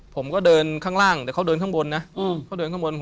ผมก็เดินข้างล่างแต่เขาเดินข้างบนนะเขาเดินข้างบน